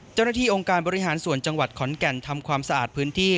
เจ้าหน้าที่องค์การบริหารส่วนจังหวัดขอนแก่นทำความสะอาดพื้นที่